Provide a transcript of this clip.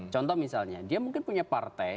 contoh misalnya dia mungkin punya partai